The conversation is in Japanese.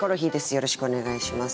よろしくお願いします。